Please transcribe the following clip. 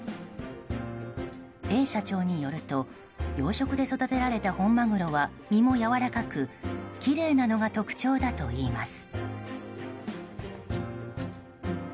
Ａ社長によると養殖で育てられた本マグロは身もやわらかくきれいなのが特徴だといいます。